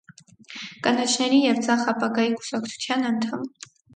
Կանաչների և ձախ ապագայի կուսակցության անդամ։